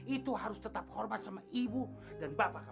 itu harus tetap hormat sama ibu dan bapak